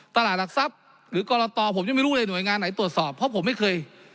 หลักทรัพย์หรือกรตผมยังไม่รู้เลยหน่วยงานไหนตรวจสอบเพราะผมไม่เคย